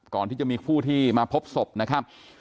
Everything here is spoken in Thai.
ก่อนที่จะมีผู้ที่มาพบศพนะครับ